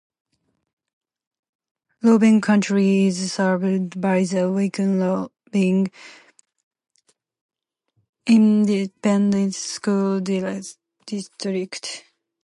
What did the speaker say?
Loving County is served by the Wink-Loving Independent School District.